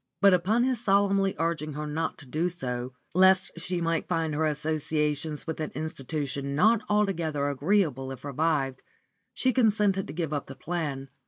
But, upon his solemnly urging her not to do so, lest she might find her associations with that institution not altogether agreeable if revived, she consented to give up the plan.